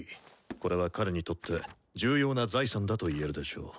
これは彼にとって重要な財産だと言えるでしょう。